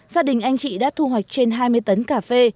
gia đình anh chị đã thu hoạch trên hai mươi tấn cà phê